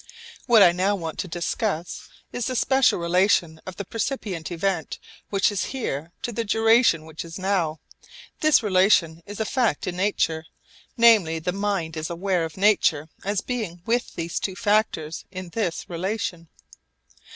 What I now want to discuss is the special relation of the percipient event which is 'here' to the duration which is 'now.' This relation is a fact in nature, namely the mind is aware of nature as being with these two factors in this relation.